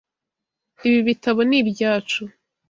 Ibi bitabo ni ibyacu.